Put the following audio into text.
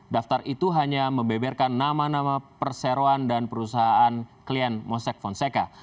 daftar itu hanya membeberkan nama nama perseroan dan perusahaan klien mosek fonseca